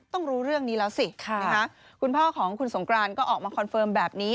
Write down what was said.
ต้องรู้เรื่องนี้แล้วสินะคะคุณพ่อของคุณสงกรานก็ออกมาคอนเฟิร์มแบบนี้